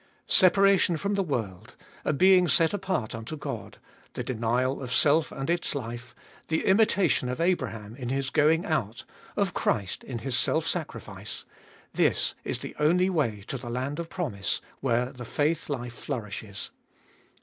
Separation from the world, a being set apart unto God, the denial of self and its life, the imitation of Abraham in his going out, of Christ in His self sacrifice, — this is the only way to the land of promise where the faith life flourishes.